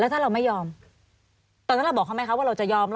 ถ้าเราไม่ยอมตอนนั้นเราบอกเขาไหมคะว่าเราจะยอมไหม